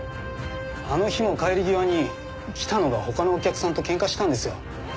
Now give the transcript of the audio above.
あの日も帰り際に北野が他のお客さんと喧嘩したんですよ。